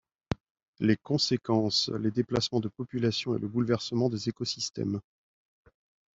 Les conséquences : les déplacements de population et le bouleversement des écosystèmes.